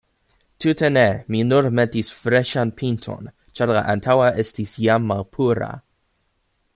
Tute ne, mi nur metis freŝan pinton, ĉar la antaŭa estis jam malpura.